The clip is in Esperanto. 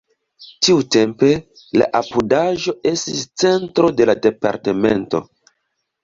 Tiutempe la apudaĵo estis centro de la departemento.